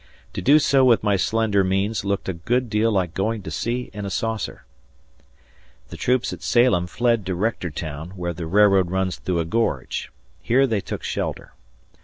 To do so with my slender means looked a good deal like going to sea in a saucer. The troops at Salem fled to Rectortown, where the railroad runs through a gorge. Here they took shelter.